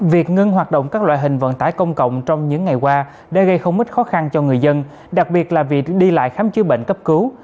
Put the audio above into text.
việc ngưng hoạt động các loại hình vận tải công cộng trong những ngày qua đã gây không ít khó khăn cho người dân đặc biệt là việc đi lại khám chữa bệnh cấp cứu